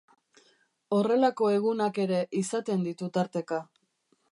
Horrelako egunak ere izaten ditu tarteka.